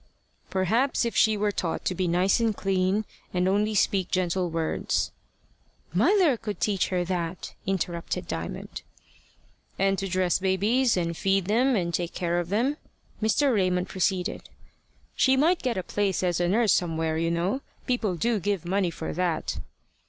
"Perhaps if she were taught to be nice and clean, and only speak gentle words." "Mother could teach her that," interrupted Diamond. "And to dress babies, and feed them, and take care of them," Mr. Raymond proceeded, "she might get a place as a nurse somewhere, you know. People do give money for that."